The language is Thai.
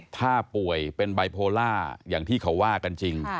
ถ้าป่วยเป็นไบโพล่าอย่างที่เขาว่ากันจริง